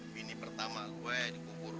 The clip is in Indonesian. bini pertama gue dikukur